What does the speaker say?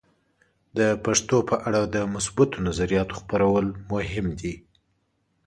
د پښتو په اړه د مثبتو نظریاتو خپرول مهم دي.